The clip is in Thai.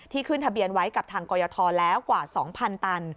ขึ้นทะเบียนไว้กับทางกรยธแล้วกว่า๒๐๐๐ตัน